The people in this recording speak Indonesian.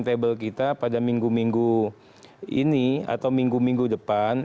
di timeline table kita pada minggu minggu ini atau minggu minggu depan